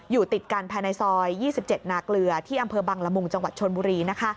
อยู่ติดกันภายในซอย๒๗นาเกลือที่อำเภอบังละมุงจังหวัดชนบุรี